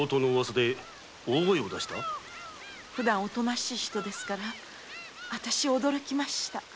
ふだんおとなしい人ですからアタシ驚きました。